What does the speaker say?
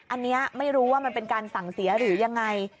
อันนี้ไม่รู้ว่ามันเป็นการสั่งเสียหรือยังไง